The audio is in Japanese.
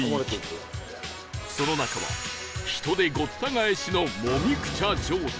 その中は人でごった返しのモミクチャ状態